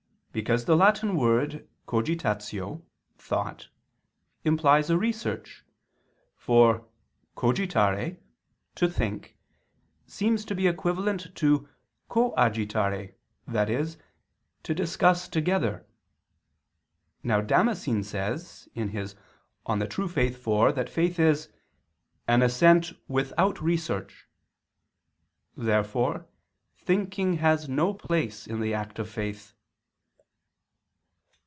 Because the Latin word "cogitatio" [thought] implies a research, for "cogitare" [to think] seems to be equivalent to "coagitare," i.e. "to discuss together." Now Damascene says (De Fide Orth. iv) that faith is "an assent without research." Therefore thinking has no place in the act of faith.